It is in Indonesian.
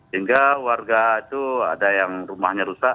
hingga warga itu ada yang rumahnya rusak